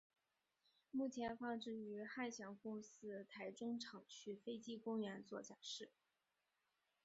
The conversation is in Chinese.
目前放置于汉翔公司台中厂区飞机公园做展示。